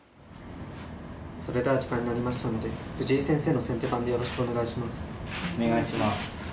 それでは時間になりましたので藤井先生の先手番でよろしくお願いします。